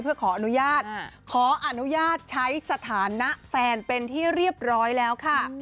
เพื่อขออนุญาตขออนุญาตใช้สถานะแฟนเป็นที่เรียบร้อยแล้วค่ะ